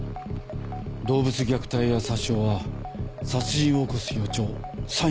動物虐待や殺傷は殺人を起こす予兆サインのはず。